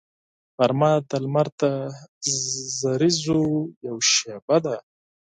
غرمه د لمر د زریزو یوه شیبه ده